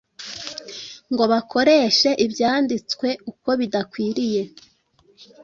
ngo bakoreshe Ibyanditswe uko bidakwiriye.